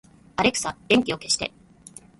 アレクサ、電気を消して